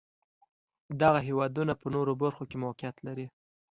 دغه هېوادونه په نورو برخو کې موقعیت لري.